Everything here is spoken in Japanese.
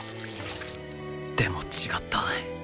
でも違った